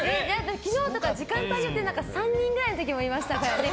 昨日とか、時間帯によって３人ぐらいの時もありましたから。